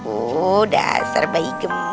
udah asar bayi gemes